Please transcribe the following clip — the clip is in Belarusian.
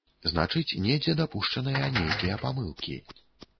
Значыць, недзе дапушчаныя нейкія памылкі.